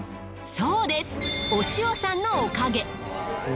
そうですお塩さんのおかげ！